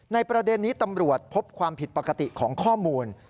ประเด็นนี้ตำรวจพบความผิดปกติของข้อมูล